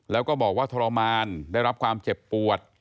แล้วก็บอกว่าทรมานได้รับความเจ็บปวด